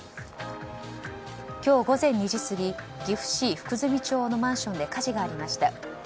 今日午前２時過ぎ岐阜市福住町のマンションで火事がありました。